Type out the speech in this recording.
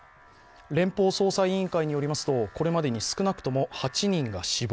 連邦捜査委員会によりますとこれまで少なくとも８人が死亡。